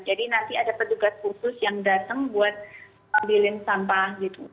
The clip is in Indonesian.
jadi nanti ada pedugas khusus yang datang buat ambilin sampah gitu